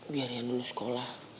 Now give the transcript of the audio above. biar yann lulus sekolah